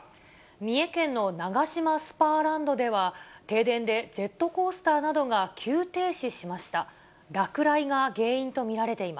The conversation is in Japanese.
三重県のナガシマスパーランドでは、停電でジェットコースターなどが急停止しました。